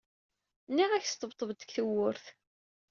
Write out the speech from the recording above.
Nniɣ-ak sṭebteb-d deg tewwurt!